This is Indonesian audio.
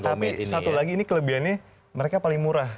tapi satu lagi ini kelebihannya mereka paling murah